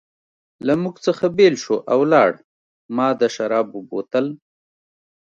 له موږ څخه بېل شو او ولاړ، ما د شرابو بوتل.